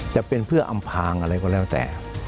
จะเป็นเพื่ออำพางอะไรก็แล้วแต่